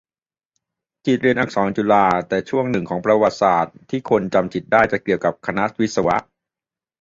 จิตรเรียนอักษรจุฬา แต่ช่วงหนึ่งของประวัติศาสตร์ที่คนจำจิตรได้ จะเกี่ยวกับคณะวิศวะ